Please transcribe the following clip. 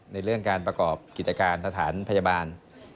ในเรื่องการประกอบกิจการสถานพยาบาล